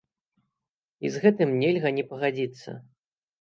І з гэтым нельга не пагадзіцца.